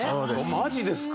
マジですか。